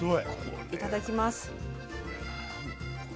いただきます。